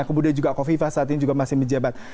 kemudian juga kofifa saat ini juga masih menjabat